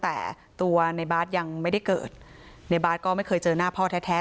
แต่ตัวในบาร์ดยังไม่ได้เกิดในบาทก็ไม่เคยเจอหน้าพ่อแท้